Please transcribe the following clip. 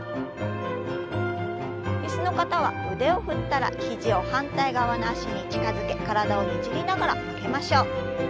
椅子の方は腕を振ったら肘を反対側の脚に近づけ体をねじりながら曲げましょう。